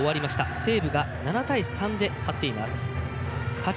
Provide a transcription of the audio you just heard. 西武が７対３で勝っています。